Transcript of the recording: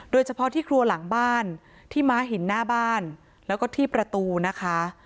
โดยเฉพาะที่ครัวหลังบ้านที่ม้าหินหน้าบ้านแล้วก็ที่ประตูนะคะ